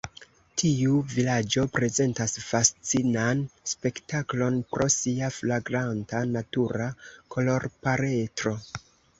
Tiu vilaĝo prezentas fascinan spektaklon pro sia flagranta natura kolorpaletro.